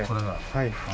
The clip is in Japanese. はい。